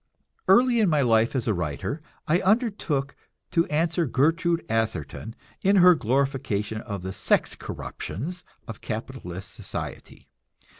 Early in my life as a writer I undertook to answer Gertrude Atherton, in her glorification of the sex corruptions of capitalist society.